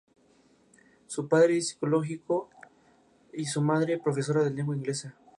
Su padre es psicólogo y su madre profesora de lengua inglesa.